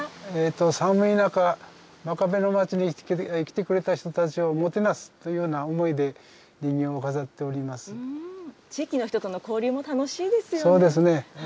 寒い中、真壁の町に来てくれた人たちをもてなすというふうな地域の人との交流も楽しいでそうですね。